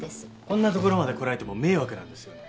こんなところまで来られても迷惑なんですよね。